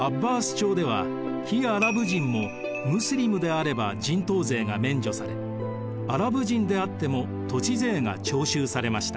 朝では非アラブ人もムスリムであれば人頭税が免除されアラブ人であっても土地税が徴収されました。